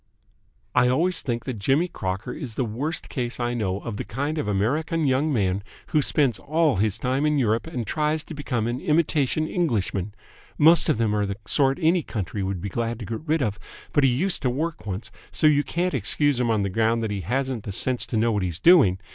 " I always think that Jimmy Crocker is the worst case I know of the kind of American young man who spends all his time in Europe and tries to become an imitation Englishman. Most of them are the sort any country would be glad to get rid of, but he used to work once, so you can't excuse him on the ground that he hasn't the sense to know what he's doing.